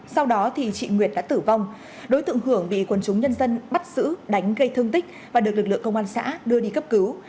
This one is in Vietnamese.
sau đó thì chị nguyệt đã tử vong đối tượng hưởng bị quân chúng nhân dân bắt giữ đánh gây thương tích và được lực lượng công an xã đưa đi cấp cứu